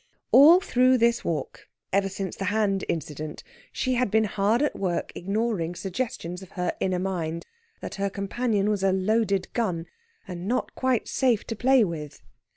All through this walk, ever since the hand incident, she had been hard at work ignoring suggestions of her inner mind that her companion was a loaded gun, and not quite safe to play with.